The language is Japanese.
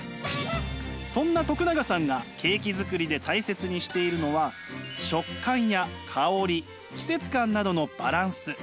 そんな永さんがケーキ作りで大切にしているのは食感や香り季節感などのバランス。